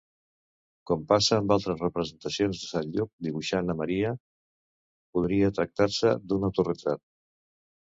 Com passa amb altres representacions de sant Lluc dibuixant a Maria, podria tractar-se d'un autoretrat.